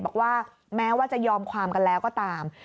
บอกว่าแม้ว่าจะยอมความกันแล้วก็ตาม